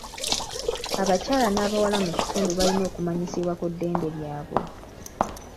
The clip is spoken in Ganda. Abakyala n'abawala mu kitundu balina okumanyisibwa ku ddembe lyabwe.